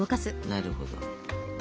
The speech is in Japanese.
なるほど？